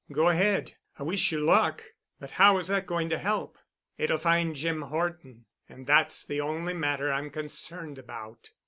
"Go ahead. I wish you luck. But how is that going to help?" "It'll find Jim Horton. And that's the only matter I'm concerned about."